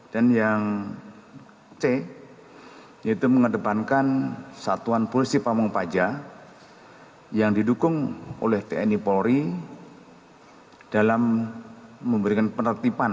dan yang c yaitu mengedepankan satuan polisi pamung paja yang didukung oleh tni polri dalam memberikan penertipan